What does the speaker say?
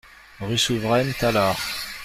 Rue Souveraine, Tallard